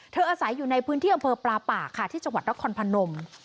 อาศัยอยู่ในพื้นที่อำเภอปลาปากค่ะที่จังหวัดนครพนม